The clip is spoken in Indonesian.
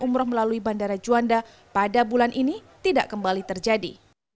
umroh melalui bandara juanda pada bulan ini tidak kembali terjadi